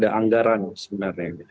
pada anggaran sebenarnya